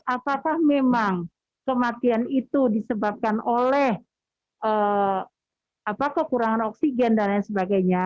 apakah memang kematian itu disebabkan oleh kekurangan oksigen dan lain sebagainya